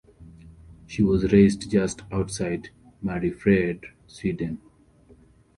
She was raised just outside Mariefred, Sweden.